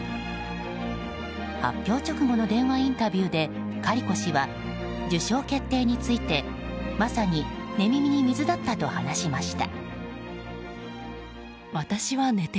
発表直後の電話インタビューでカリコ氏は受賞決定について、まさに寝耳に水だったと話しました。